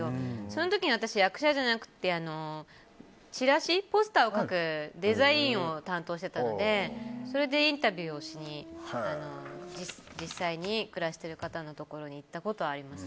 その時に私役者じゃなくてちらし、ポスターを描くデザインを担当していたのでそれでインタビューしに実際に暮らしてる方のところに行ったことはあります。